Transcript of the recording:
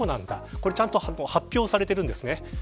これは、ちゃんと発表されているんですね。